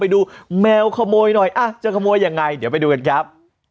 ดูแมวขโมยหน่อยจะขโมยยังไงเดี๋ยวไปดูกันครับ